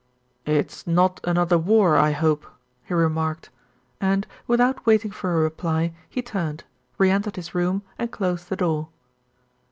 "It's not another war, I hope," he remarked, and, without waiting for a reply, he turned, re entered his room and closed the door.